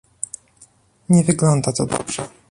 Nie wygląda to dobrze